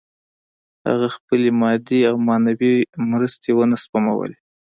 هغه خپلې مادي او معنوي مرستې ونه سپمولې